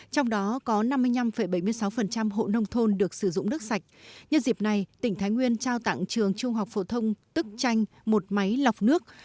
trong đó có năm mươi năm bảy mươi sáu hộ nông thôn được sử dụng nước sạch nhân dịp này tỉnh thái nguyên trao tặng trường trung học phổ thông tức chanh một máy lọc nước